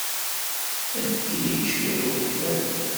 Efk-iyi-d cwiṭ n ukeffay.